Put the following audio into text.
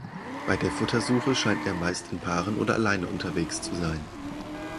Bei der Futtersuche scheint er meist in Paaren oder alleine unterwegs zu sein.